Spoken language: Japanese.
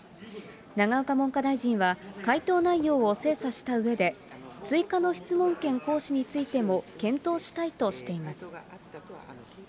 永岡文科大臣は回答内容を精査したうえで、追加の質問権行使についても検討したいとしています。